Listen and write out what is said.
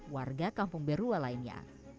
warga kampung berua lainnya